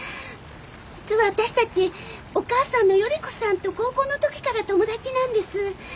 実は私たちお母さんの頼子さんと高校の時から友達なんです。